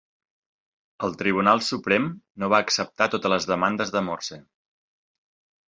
El Tribunal Suprem no va acceptar totes les demandes de Morse.